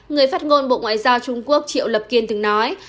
người phát ngôn bộ ngoại giao trung quốc triệu lập kiên từng nói